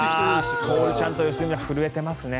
徹ちゃんと良純ちゃんが震えていますね。